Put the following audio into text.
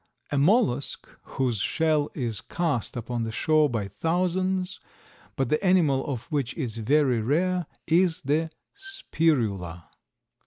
A mollusk whose shell is cast upon the shore by thousands, but the animal of which is very rare, is the Spirula.